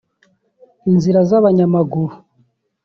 inzira z’abanyamaguru